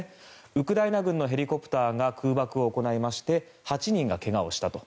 ウクライナ軍のヘリコプターが空爆を行いまして８人がけがをしたと。